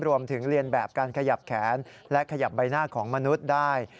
เรียนแบบการขยับแขนและขยับใบหน้าของมนุษย์ได้